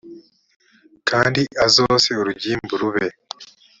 kandi azose urugimbu g rube